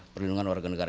perlindungan warga negara